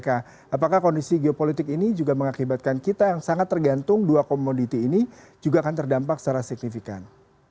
apakah kondisi geopolitik ini juga mengakibatkan kita yang sangat tergantung dua komoditi ini juga akan terdampak secara signifikan